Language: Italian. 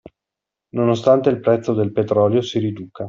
Nonostante il prezzo del petrolio si riduca.